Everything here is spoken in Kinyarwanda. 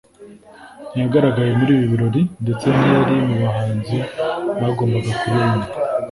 ntiyagaragaye muri ibi birori ndetse ntiyari mu bahanzi bagombaga kuririmba